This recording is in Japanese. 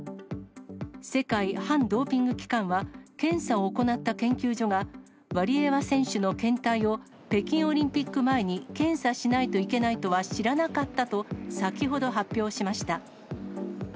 世界反ドーピング機関は、検査を行った研究所が、ワリエワ選手の検体を、北京オリンピック前に検査しないといけないとは知らなかったと、先ほど発表しました。